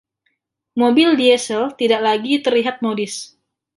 Mobil diesel tidak lagi terlihat modis.